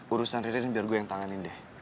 urusan real biar gue yang tanganin deh